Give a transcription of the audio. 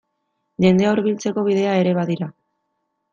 Jendea hurbiltzeko bidea ere badira.